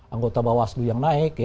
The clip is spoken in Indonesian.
anggota bawaslu yang naik